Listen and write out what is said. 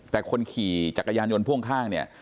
แต่คนขี่จักรยานยนต์พ่วงข้างเนี่ย